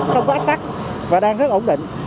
không có ách đắc và đang rất ổn định